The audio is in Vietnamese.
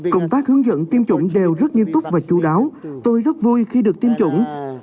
công tác hướng dẫn tiêm chủng đều rất nghiêm túc và chú đáo tôi rất vui khi được tiêm chủng